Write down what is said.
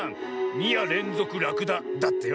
「にやれんぞくラクダ」だってよ。